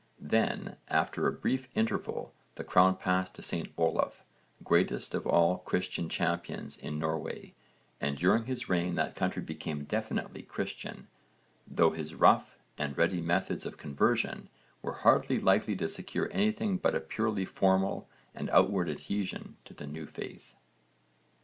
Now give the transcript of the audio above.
Then, after a brief interval, the crown passed to St Olaf, greatest of all Christian champions in Norway, and during his reign that country became definitely Christian, though his rough and ready methods of conversion were hardly likely to secure anything but a purely formal and outward adhesion to the new faith.